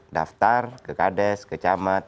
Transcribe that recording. daftar ke kades ke camat